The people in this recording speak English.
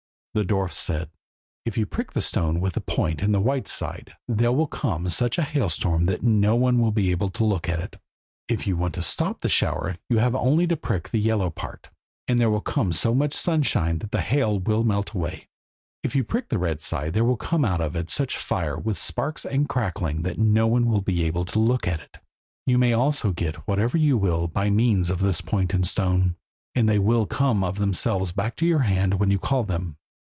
The dwarf said "If you prick the stone with the point in the white side there will come on such a hailstorm that no one will be able to look at it. If you want to stop the shower you have only to prick on the yellow part, and there will come so much sunshine that the hail will melt away. If you prick the red side then there will come out of it such fire, with sparks and crackling, that no one will be able to look at it. You may also get whatever you will by means of this point and stone, and they will come of themselves back to your hand when you call them.